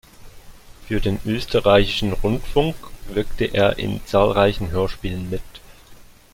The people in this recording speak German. Für den Österreichischen Rundfunk wirkte er in zahlreichen Hörspielen mit.